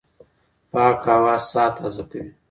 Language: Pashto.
پاکه هوا ساه تازه کوي